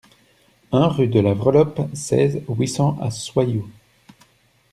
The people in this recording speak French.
un rue de la Vreloppe, seize, huit cents à Soyaux